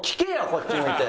こっち向いて。